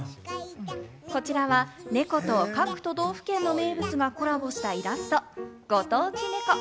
こちらはネコと各都道府県の名物がコラボしたイラスト、ご当地ネコ。